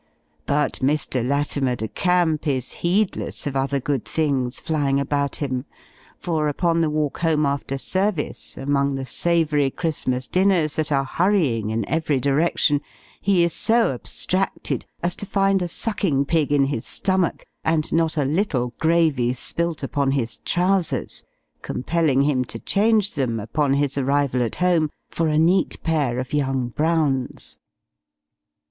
But Mr. Latimer de Camp is heedless of other good things flying about him; for, upon the walk home after service, among the savoury Christmas dinners that are hurrying in every direction, he is so abstracted as to find a sucking pig in his stomach, and not a little gravy spilt upon his trowsers, compelling him to change them, upon his arrival at home, for a neat pair of young Brown's.